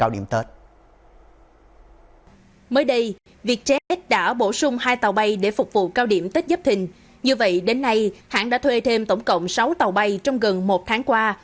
ba điểm tết dấp thình như vậy đến nay hãng đã thuê thêm tổng cộng sáu tàu bay trong gần một tháng qua